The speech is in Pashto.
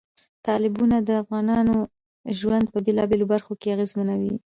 تالابونه د افغانانو ژوند په بېلابېلو برخو کې اغېزمنوي.